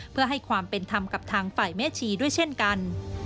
เพื่อให้ความเป็นธรรมกับทางฝ่ายแม่ชีด้วยเช่นกัน